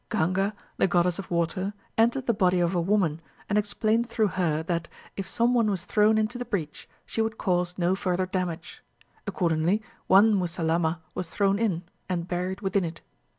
Ganga, the goddess of water, entered the body of a woman, and explained through her that, if some one was thrown into the breach, she would cause no further damage. Accordingly, one Musalamma was thrown in, and buried within it.